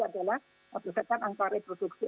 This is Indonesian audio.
adalah persetan angka reproduksi